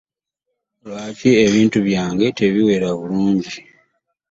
Lwaki ebintu bange tebiwera bulungi?